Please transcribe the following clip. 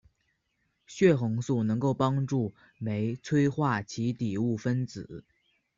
血红素能够帮助酶催化其底物分子。